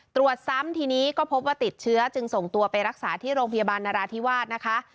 ตรวจซ้ำทีนี้ก็พบว่าติดเชื้อจึงส่งตัวไปรักษาที่โรงพยาบาลนราธิวาสนะคะ